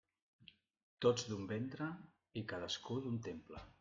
Tots d'un ventre, i cadascú d'un temple.